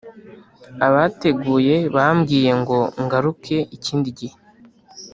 abateguye bambwiye ngo ngaruke ikindi gihe,